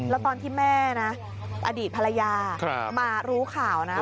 แล้วตอนที่แม่นะอดีตภรรยามารู้ข่าวนะ